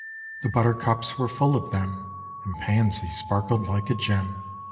The buttercups were full of them, And pansies sparkled like a gem.